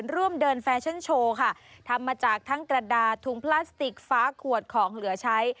ร่วมเดินแฟชั่นโชว์ค่ะทำมาจากทั้งกระดาษถุงพลาสติกฟ้าขวดของเหลือใช้